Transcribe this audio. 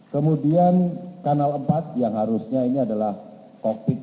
kemudian kanal empat yang harusnya ini adalah kokpit